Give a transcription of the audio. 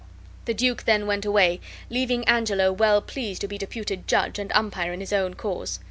The duke then went away, leaving Angelo well pleased to be deputed judge and umpire in his own cause.